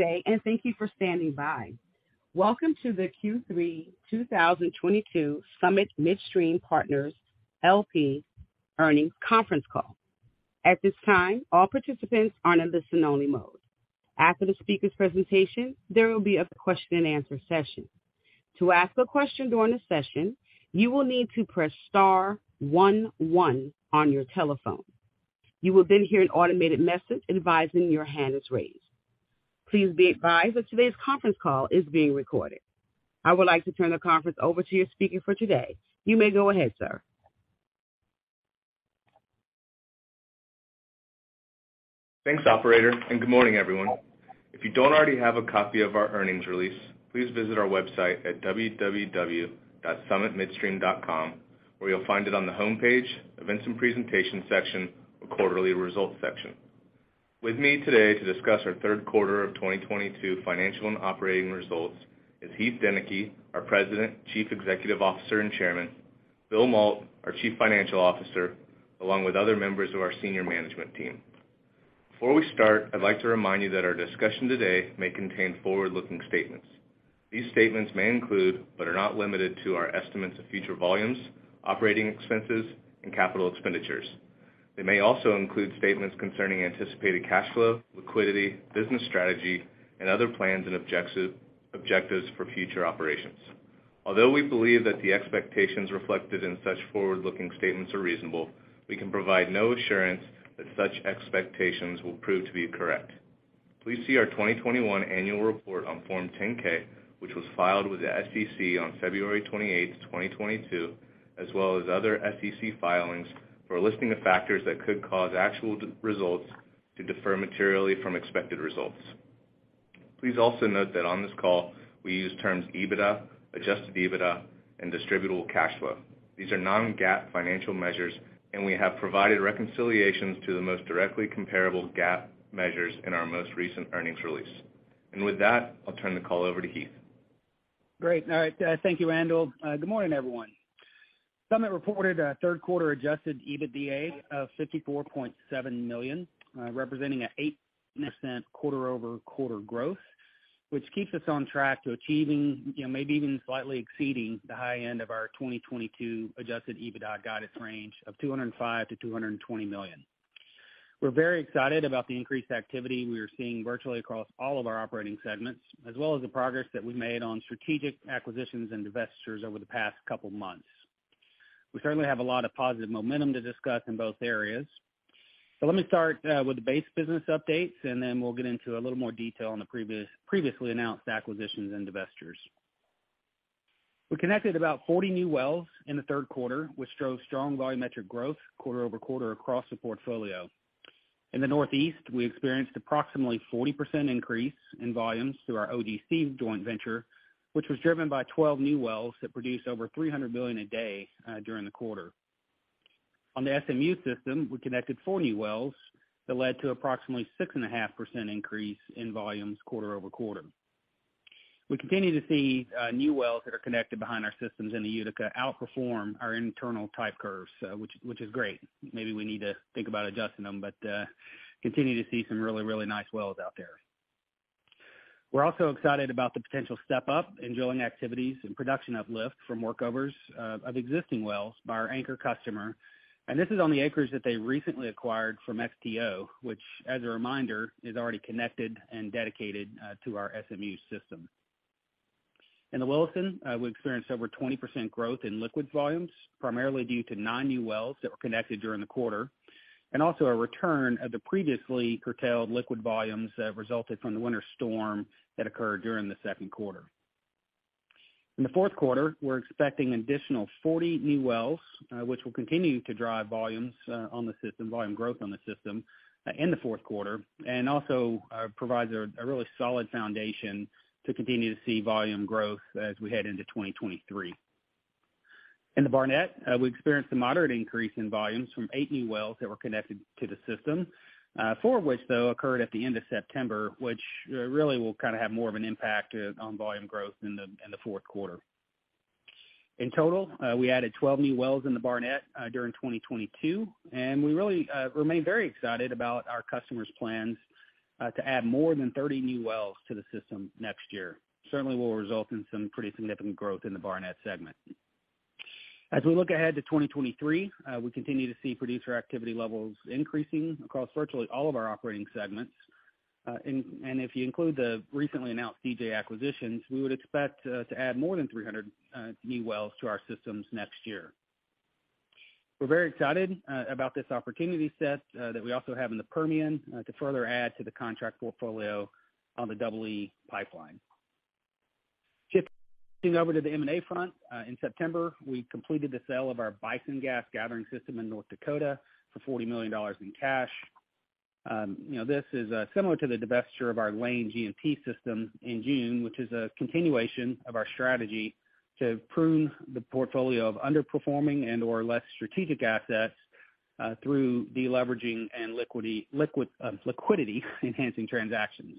Good day, and thank you for standing by. Welcome to the Q3 2022 Summit Midstream Partners, LP Earnings Conference Call. At this time, all participants are in listen only mode. After the speaker's presentation, there will be a question and answer session. To ask a question during the session, you will need to press star one one on your telephone. You will then hear an automated message advising your hand is raised. Please be advised that today's conference call is being recorded. I would like to turn the conference over to your speaker for today. You may go ahead, sir. Thanks, operator, and good morning, everyone. If you don't already have a copy of our earnings release, please visit our website at www.summitmidstream.com, where you'll find it on the homepage, events and presentations section, or quarterly results section. With me today to discuss our third quarter of 2022 financial and operating results is J. Heath Deneke, our President, Chief Executive Officer, and Chairman, Bill Mault, our Chief Financial Officer, along with other members of our senior management team. Before we start, I'd like to remind you that our discussion today may contain forward-looking statements. These statements may include, but are not limited to, our estimates of future volumes, operating expenses, and capital expenditures. They may also include statements concerning anticipated cash flow, liquidity, business strategy, and other plans and objectives for future operations. Although we believe that the expectations reflected in such forward-looking statements are reasonable, we can provide no assurance that such expectations will prove to be correct. Please see our 2021 annual report on Form 10-K, which was filed with the SEC on February 28, 2022, as well as other SEC filings for a listing of factors that could cause actual results to differ materially from expected results. Please also note that on this call we use terms EBITDA, adjusted EBITDA, and distributable cash flow. These are non-GAAP financial measures, and we have provided reconciliations to the most directly comparable GAAP measures in our most recent earnings release. With that, I'll turn the call over to Heath. Great. All right. Thank you, Randall. Good morning, everyone. Summit reported a third quarter adjusted EBITDA of $54.7 million, representing an 8% quarter-over-quarter growth, which keeps us on track to achieving, you know, maybe even slightly exceeding the high end of our 2022 Adjusted EBITDA guidance range of $205 million-$220 million. We're very excited about the increased activity we are seeing virtually across all of our operating segments, as well as the progress that we've made on strategic acquisitions and divestitures over the past couple months. We certainly have a lot of positive momentum to discuss in both areas. Let me start with the base business updates, and then we'll get into a little more detail on the previously announced acquisitions and divestitures. We connected about 40 new wells in the third quarter, which drove strong volumetric growth quarter-over-quarter across the portfolio. In the Northeast, we experienced approximately 40% increase in volumes through our OGC joint venture, which was driven by 12 new wells that produced over 300 million a day during the quarter. On the SMU system, we connected 40 wells that led to approximately 6.5% increase in volumes quarter-over-quarter. We continue to see new wells that are connected behind our systems in the Utica outperform our internal type curves, which is great. Maybe we need to think about adjusting them, but continue to see some really, really nice wells out there. We're also excited about the potential step up in drilling activities and production uplift from workovers of existing wells by our anchor customer. This is on the acres that they recently acquired from XTO, which as a reminder, is already connected and dedicated to our SMU system. In the Williston, we experienced over 20% growth in liquid volumes, primarily due to nine new wells that were connected during the quarter, and also a return of the previously curtailed liquid volumes that resulted from the winter storm that occurred during the second quarter. In the fourth quarter, we're expecting an additional 40 new wells, which will continue to drive volume growth on the system in the fourth quarter, and also provides a really solid foundation to continue to see volume growth as we head into 2023. In the Barnett, we experienced a moderate increase in volumes from eight new wells that were connected to the system, four of which though occurred at the end of September, which really will kind of have more of an impact on volume growth in the fourth quarter. In total, we added 12 new wells in the Barnett during 2022, and we really remain very excited about our customers' plans to add more than 30 new wells to the system next year. Certainly will result in some pretty significant growth in the Barnett segment. As we look ahead to 2023, we continue to see producer activity levels increasing across virtually all of our operating segments. If you include the recently announced DJ acquisitions, we would expect to add more than 300 new wells to our systems next year. We're very excited about this opportunity set that we also have in the Permian to further add to the contract portfolio on the Double E Pipeline. Shifting over to the M&A front. In September, we completed the sale of our Bison Gas Gathering system in North Dakota for $40 million in cash. You know, this is similar to the divestiture of our Lane G&P system in June, which is a continuation of our strategy to prune the portfolio of underperforming and/or less strategic assets through deleveraging and liquidity enhancing transactions.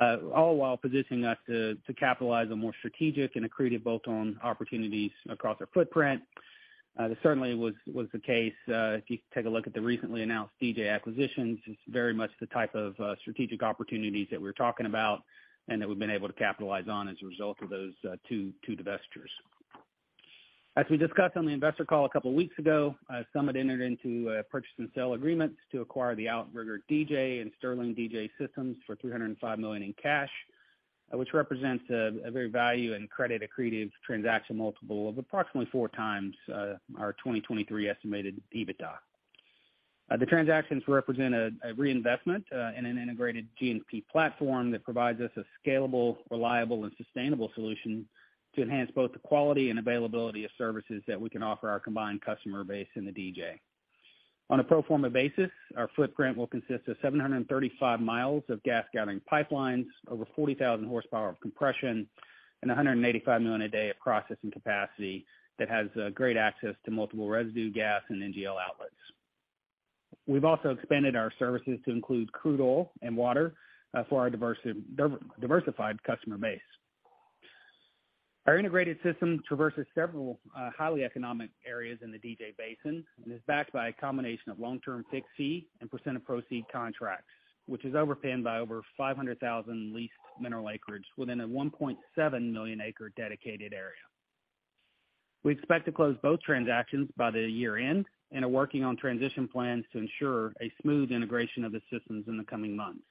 All while positioning us to capitalize on more strategic and accretive bolt-on opportunities across our footprint. That certainly was the case. If you take a look at the recently announced DJ acquisitions, it's very much the type of strategic opportunities that we're talking about and that we've been able to capitalize on as a result of those two divestitures. As we discussed on the investor call a couple weeks ago, Summit Midstream entered into purchase and sale agreements to acquire the Outrigger DJ and Sterling DJ systems for $305 million in cash, which represents a very value and credit-accretive transaction multiple of approximately 4x our 2023 estimated EBITDA. The transactions represent a reinvestment in an integrated G&P platform that provides us a scalable, reliable, and sustainable solution to enhance both the quality and availability of services that we can offer our combined customer base in the DJ. On a pro forma basis, our footprint will consist of 735 mi of gas gathering pipelines, over 40,000 horsepower of compression, and 185 million a day of processing capacity that has great access to multiple residue gas and NGL outlets. We've also expanded our services to include crude oil and water for our diversified customer base. Our integrated system traverses several highly economic areas in the DJ Basin, and is backed by a combination of long-term fixed fee and percent of proceeds contracts, which is underpinned by over 500,000 leased mineral acreage within a 1.7 million acre dedicated area. We expect to close both transactions by year-end and are working on transition plans to ensure a smooth integration of the systems in the coming months.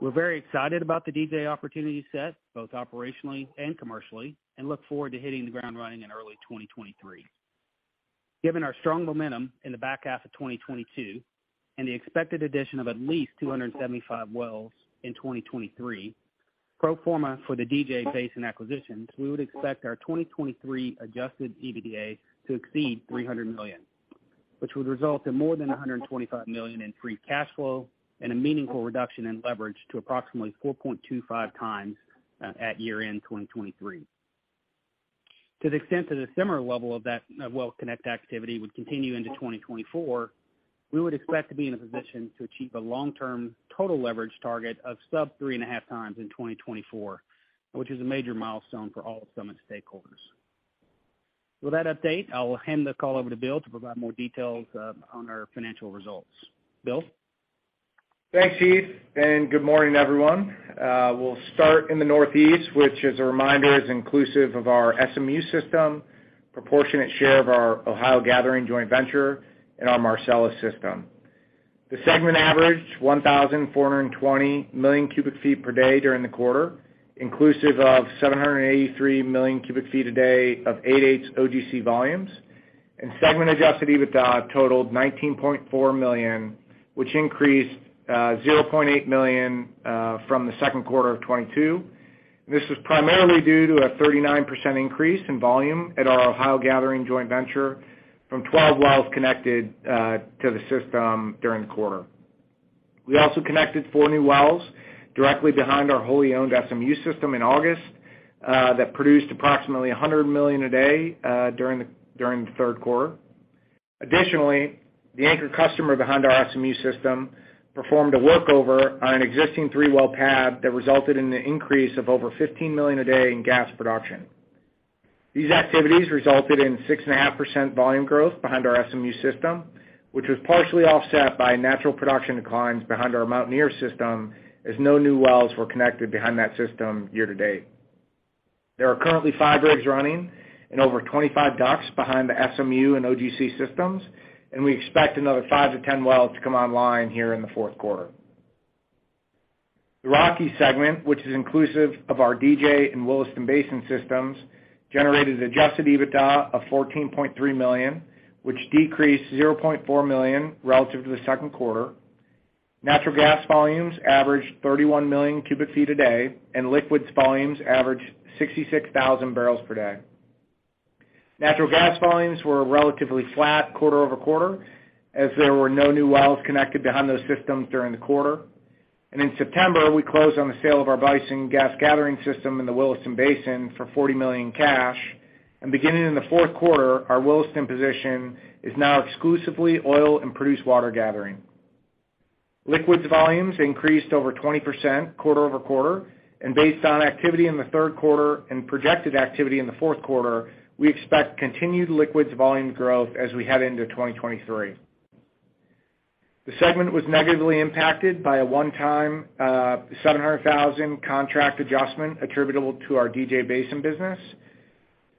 We're very excited about the DJ opportunity set, both operationally and commercially, and look forward to hitting the ground running in early 2023. Given our strong momentum in the back half of 2022 and the expected addition of at least 275 wells in 2023, pro forma for the DJ Basin acquisitions, we would expect our 2023 adjusted EBITDA to exceed $300 million, which would result in more than $125 million in free cash flow and a meaningful reduction in leverage to approximately 4.25x at year-end 2023. To the extent that a similar level of that well connect activity would continue into 2024, we would expect to be in a position to achieve a long-term total leverage target of sub-3.5x in 2024, which is a major milestone for all of Summit stakeholders. With that update, I'll hand the call over to Bill to provide more details on our financial results. Bill? Thanks, Heath, and good morning, everyone. We'll start in the Northeast, which as a reminder, is inclusive of our SMU system, proportionate share of our Ohio Gathering joint venture and our Marcellus system. The segment averaged 1,420 million cu ft per day during the quarter, inclusive of 783 million cu ft a day of eight-eigths OGC volumes. Segment adjusted EBITDA totaled $19.4 million, which increased $0.8 million from the second quarter of 2022. This was primarily due to a 39% increase in volume at our Ohio Gathering joint venture from 12 wells connected to the system during the quarter. We also connected four new wells directly behind our wholly owned SMU system in August that produced approximately 100 million a day during the third quarter. Additionally, the anchor customer behind our SMU system performed a workover on an existing three-well pad that resulted in an increase of over 15 million a day in gas production. These activities resulted in 6.5% volume growth behind our SMU system, which was partially offset by natural production declines behind our Mountaineer system, as no new wells were connected behind that system year to date. There are currently five rigs running and over 25 DUCs behind the SMU and OGC systems, and we expect another 5-10 wells to come online here in the fourth quarter. The Rocky segment, which is inclusive of our DJ and Williston Basin systems, generated adjusted EBITDA of $14.3 million, which decreased $0.4 million relative to the second quarter. Natural gas volumes averaged 31 million cu ft a day, and liquids volumes averaged 66,000 barrels per day. Natural gas volumes were relatively flat quarter-over-quarter, as there were no new wells connected behind those systems during the quarter. In September, we closed on the sale of our Bison Gas Gathering system in the Williston Basin for $40 million cash. Beginning in the fourth quarter, our Williston position is now exclusively oil and produced water gathering. Liquids volumes increased over 20% quarter-over-quarter. Based on activity in the third quarter and projected activity in the fourth quarter, we expect continued liquids volume growth as we head into 2023. The segment was negatively impacted by a one-time $700,000 contract adjustment attributable to our DJ Basin business.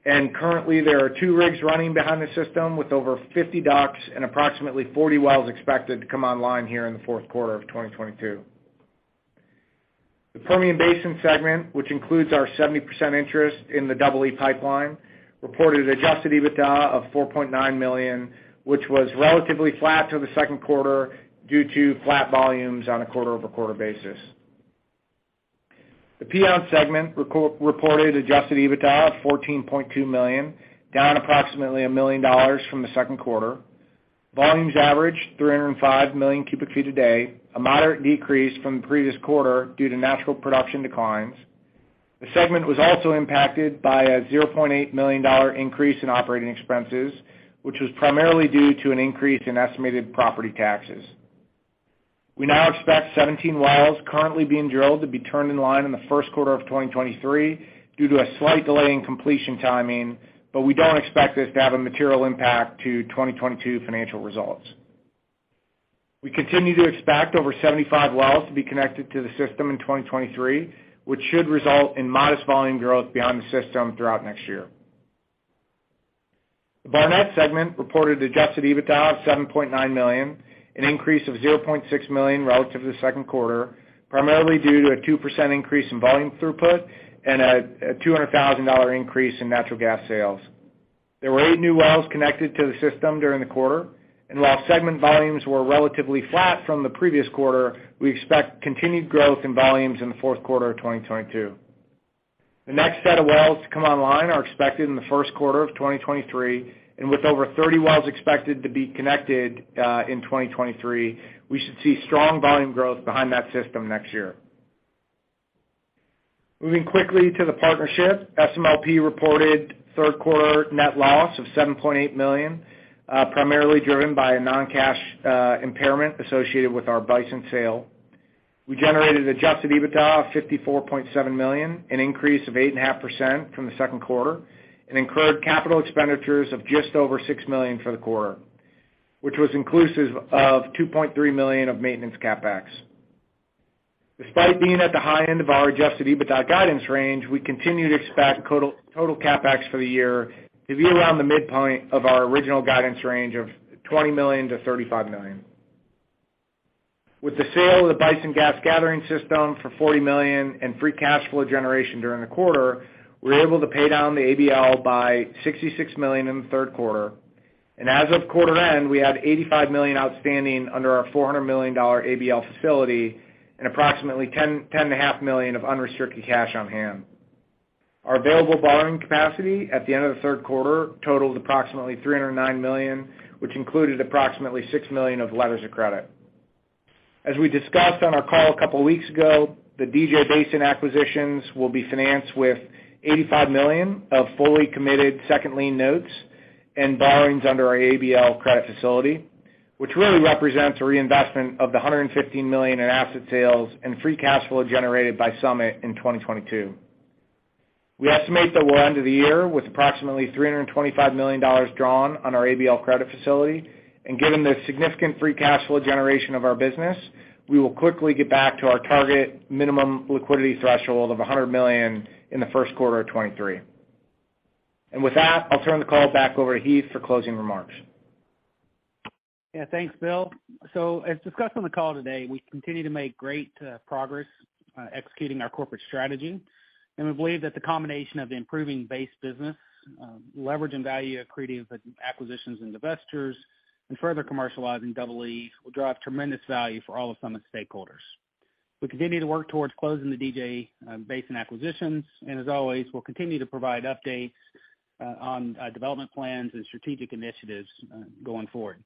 Currently there are two rigs running behind the system with over 50 DUCs and approximately 40 wells expected to come online here in the fourth quarter of 2022. The Permian Basin segment, which includes our 70% interest in the Double E Pipeline, reported adjusted EBITDA of $4.9 million, which was relatively flat to the second quarter due to flat volumes on a quarter-over-quarter basis. The Piceance segment reported Adjusted EBITDA of $14.2 million, down approximately $1 million from the second quarter. Volumes averaged 305 million cu ft a day, a moderate decrease from the previous quarter due to natural production declines. The segment was also impacted by a $0.8 million increase in operating expenses, which was primarily due to an increase in estimated property taxes. We now expect 17 wells currently being drilled to be turned in line in the first quarter of 2023 due to a slight delay in completion timing, but we don't expect this to have a material impact to 2022 financial results. We continue to expect over 75 wells to be connected to the system in 2023, which should result in modest volume growth beyond the system throughout next year. The Barnett segment reported adjusted EBITDA of $7.9 million, an increase of $0.6 million relative to the second quarter, primarily due to a 2% increase in volume throughput and a $200,000 increase in natural gas sales. There were eight new wells connected to the system during the quarter, and while segment volumes were relatively flat from the previous quarter, we expect continued growth in volumes in the fourth quarter of 2022. The next set of wells to come online are expected in the first quarter of 2023, and with over 30 wells expected to be connected in 2023, we should see strong volume growth behind that system next year. Moving quickly to the partnership, SMLP reported third quarter net loss of $7.8 million, primarily driven by a non-cash impairment associated with our Bison sale. We generated adjusted EBITDA of $54.7 million, an increase of 8.5% from the second quarter, and incurred capital expenditures of just over $6 million for the quarter, which was inclusive of $2.3 million of maintenance CapEx. Despite being at the high end of our adjusted EBITDA guidance range, we continue to expect total CapEx for the year to be around the midpoint of our original guidance range of $20 million-$35 million. With the sale of the Bison Gas Gathering system for $40 million and free cash flow generation during the quarter, we're able to pay down the ABL by $66 million in the third quarter. As of quarter end, we had $85 million outstanding under our $400 million ABL facility and approximately $10.5 million of unrestricted cash on hand. Our available borrowing capacity at the end of the third quarter totaled approximately $309 million, which included approximately $6 million of letters of credit. As we discussed on our call a couple weeks ago, the DJ Basin acquisitions will be financed with $85 million of fully committed second lien notes and borrowings under our ABL credit facility, which really represents a reinvestment of the $115 million in asset sales and free cash flow generated by Summit in 2022. We estimate that we'll end of the year with approximately $325 million drawn on our ABL credit facility, and given the significant free cash flow generation of our business, we will quickly get back to our target minimum liquidity threshold of $100 million in the first quarter of 2023. With that, I'll turn the call back over to Heath for closing remarks. Yeah. Thanks, Bill. As discussed on the call today, we continue to make great progress executing our corporate strategy. We believe that the combination of the improving base business, leveraging value accretive acquisitions and divestitures, and further commercializing Double E will drive tremendous value for all of Summit stakeholders. We continue to work towards closing the DJ Basin acquisitions, as always, we'll continue to provide updates on development plans and strategic initiatives going forward.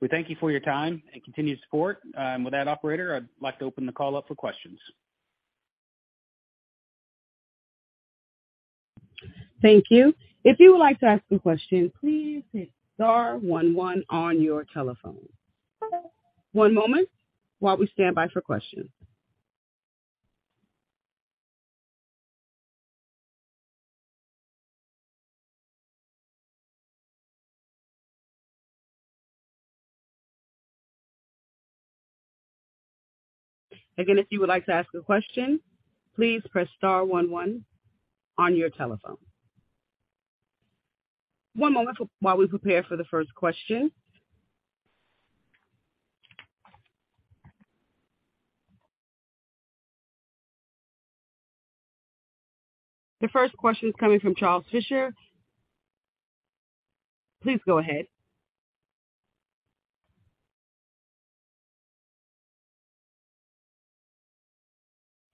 We thank you for your time and continued support. With that, operator, I'd like to open the call up for questions. Thank you. If you would like to ask a question, please press star one one on your telephone. One moment while we stand by for questions. Again, if you would like to ask a question, please press star one one on your telephone. One moment while we prepare for the first question. The first question is coming from Charles Fisher. Please go ahead.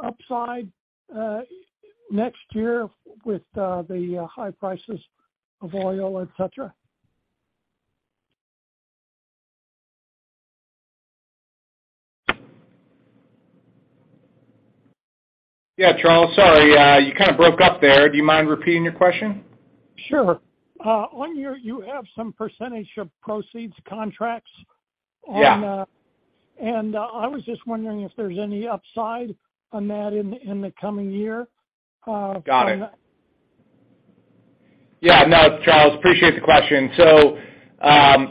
Upside next year with the high prices of oil, et cetera. Yeah, Charles, sorry, you kind of broke up there. Do you mind repeating your question? Sure. You have some percentage of proceeds contracts on- Yeah. I was just wondering if there's any upside on that in the coming year? Got it. Yeah. No, Charles, I appreciate the question.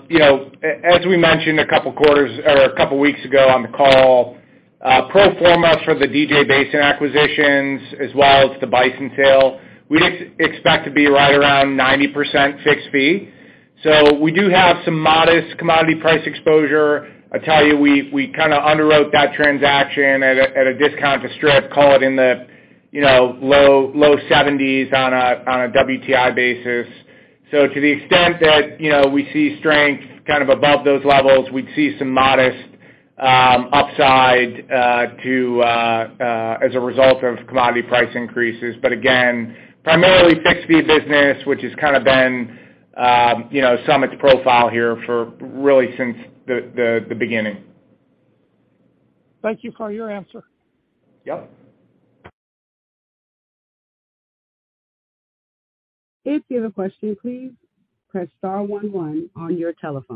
You know, as we mentioned a couple quarters or a couple weeks ago on the call, pro forma for the DJ Basin acquisitions as well as the Bison sale, we expect to be right around 90% fixed fee. We do have some modest commodity price exposure. I tell you, we kinda underwrote that transaction at a discount to strip, call it in the low $70s on a WTI basis. To the extent that you know, we see strength kind of above those levels, we would see some modest upside as a result of commodity price increases. Again, primarily fixed fee business, which has kinda been you know, Summit's profile here for really since the beginning. Thank you for your answer. Yep. If you have a question, please press star one one on your telephone.